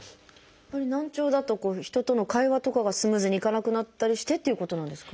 やっぱり難聴だと人との会話とかがスムーズにいかなくなったりしてっていうことなんですか？